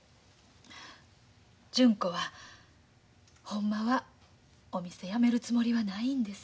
純子はほんまはお店やめるつもりはないんです。